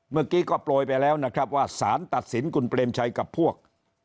เมื่อกี้ก็ปล่อยไปแล้วว่าสารตัดสินคุณเปรมชัยกับพวก